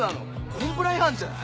コンプラ違反じゃない？